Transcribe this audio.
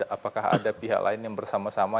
apakah ada pihak lain yang bersama sama